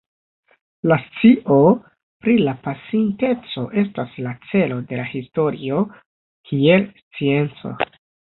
La scio pri la pasinteco estas la celo de la historio kiel scienco.